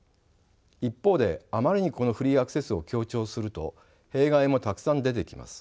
一方であまりにこのフリーアクセスを強調すると弊害もたくさん出てきます。